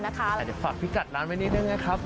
อาจจะฝากพี่กัดร้านไปนี่ด้วยนะครับ